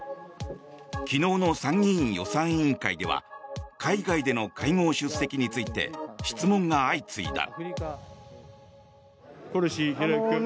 昨日の参議院予算委員会では海外での会合出席について質問が相次いだ。